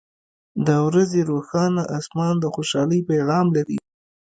• د ورځې روښانه آسمان د خوشحالۍ پیغام لري.